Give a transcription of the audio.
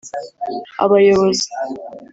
abayobozi